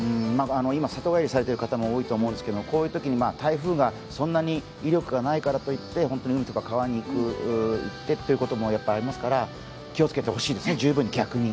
今、里帰りしている方も多いと思うんですけれどもこういうときに台風がそんなに威力がないからといって海とか川に行ってということもありますから気をつけてほしいですね、十分に、逆に。